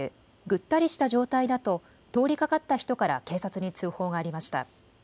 ぐったりした状態だと通りかかった人から警察に通報がありました。